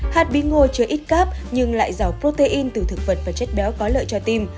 hạt bí ngô chưa ít cáp nhưng lại giàu protein từ thực vật và chất béo có lợi cho tim